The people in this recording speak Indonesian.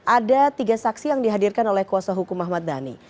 ada tiga saksi yang dihadirkan oleh kuasa hukum ahmad dhani